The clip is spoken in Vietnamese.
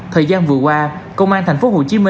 thời gian vừa qua công an tp hcm